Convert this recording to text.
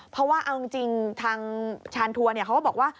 เพราะว่าเอาจริงทางชานทัวร์เขาก็บอกว่า